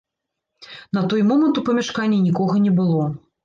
На той момант у памяшканні нікога не было.